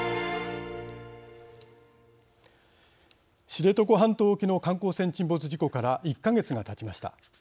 知床半島沖の観光船沈没事故から１か月がたちました。